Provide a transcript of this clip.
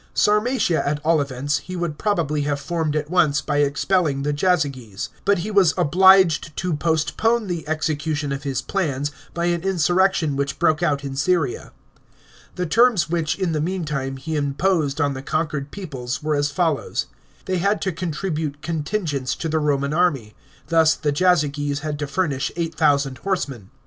Sarmatia, at all events, he would probably have formed at once by expelling the Jazy^es ; but he was obliged to postpone the execution of his plans by an insurrection which broke out in Syria. The terms which, in the meantime, he imposed on the conquered peoples were MS follows. They had to contribute contingents to the Roman army ; thus the Jazyges had to furnish 8000 horsemen.